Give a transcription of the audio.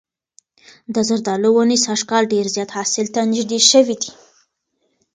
د زردالو ونې سږ کال ډېر زیات حاصل ته نږدې شوي دي.